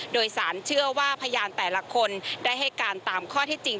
โดยสารเชื่อว่าพยานแต่ละคนได้ให้การตามข้อที่จริง